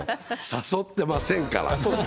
誘ってませんから。